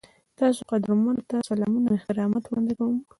تاسو قدرمنو ته سلامونه او احترامات وړاندې کوم.